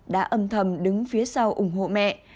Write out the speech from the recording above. đã âm thầm đứng phía sau ủng hộ mẹ